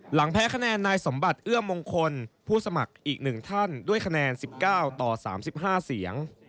แพ้คะแนนนายสมบัติเอื้อมงคลผู้สมัครอีก๑ท่านด้วยคะแนน๑๙ต่อ๓๕เสียง